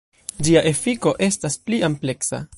Ĝia efiko estas pli ampleksa.